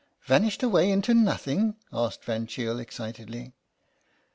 vanished away into nothing?" asked Van Cheele excitedly.